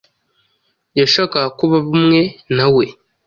Yashakaga ko baba umwe na we.